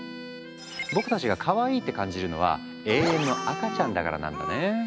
僕たちがかわいいって感じるのは「永遠の赤ちゃん」だからなんだね。